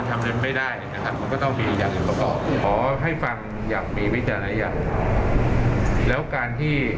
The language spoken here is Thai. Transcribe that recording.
ก็ไม่ได้แปลว่าเวลาพบหรือพูดกับตำรวจแล้วเป็นอย่างนั้น